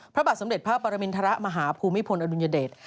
พระบาทสมเด็จพระปรมินทรมาฮภูมิพลอดุลยเดช